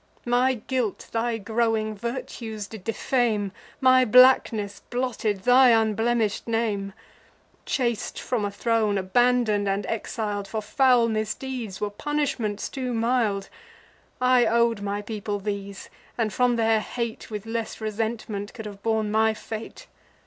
My guilt thy growing virtues did defame; My blackness blotted thy unblemish'd name. Chas'd from a throne, abandon'd, and exil'd For foul misdeeds, were punishments too mild: I ow'd my people these, and, from their hate, With less resentment could have borne my fate.